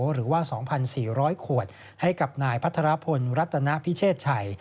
หรือว่า๒๔๐๐ขวดให้กับนายพัทรพลรัตนพิเชษชัย